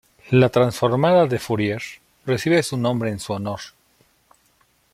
La transformada de Fourier recibe su nombre en su honor.